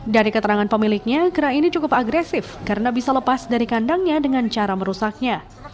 dari keterangan pemiliknya kera ini cukup agresif karena bisa lepas dari kandangnya dengan cara merusaknya